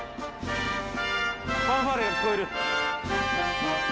ファンファーレが聞こえる。